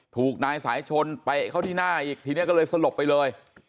ถูกนายสายชนเตะเข้าที่หน้าอีกทีนี้ก็เลยสลบไปเลย